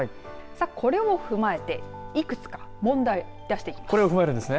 これを踏まえて、いくつか問題出していきます。